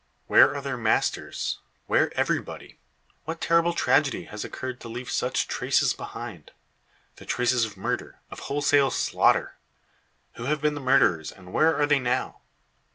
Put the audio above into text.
Where are their masters? Where everybody? What terrible tragedy has occurred to leave such traces behind? The traces of murder of wholesale slaughter! Who have been the murderers, and where are they now?